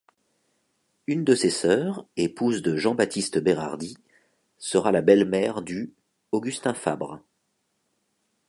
Une de ses soeurs, épouse de Jean-Baptiste Bérardi, sera la belle-mère du Augustin Fabre.